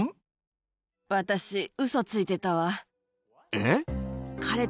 私、ウソついてたわ。